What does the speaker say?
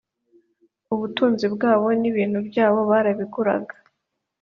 ubutunzi bwabo n ibintu byabo barabiguraga